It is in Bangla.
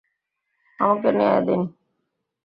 আমাকে ন্যায় দিন।